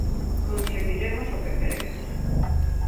Conseguiremos o que queremos.